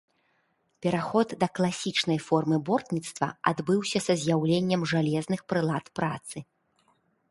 Пераход да класічнай формы бортніцтва адбыўся са з'яўленнем жалезных прылад працы.